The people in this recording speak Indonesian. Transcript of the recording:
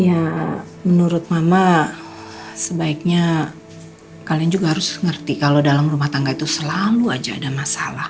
ya menurut mama sebaiknya kalian juga harus ngerti kalau dalam rumah tangga itu selalu aja ada masalah